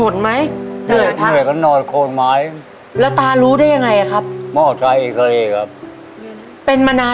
ช่องคนทักก็ไม่อยู่อะมันสั้นอะ